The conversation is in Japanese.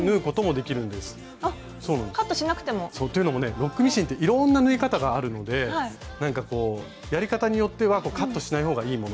ロックミシンっていろんな縫い方があるのでなんかこうやり方によってはカットしない方がいいもの